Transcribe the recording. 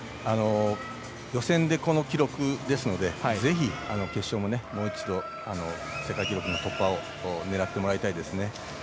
予選でこの記録ですのでぜひ決勝でもう一度世界新記録の突破を狙ってもらいたいですね。